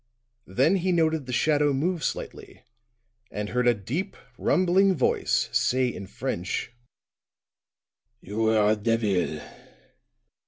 Then he noted the shadow move slightly, and heard a deep rumbling voice say in French: "You were a devil!